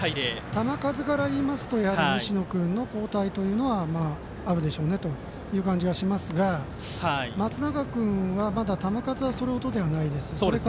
球数から言いますと西野君の交代はあるでしょうねという感じはしますが松永君は、まだ球数はそれほどではないです。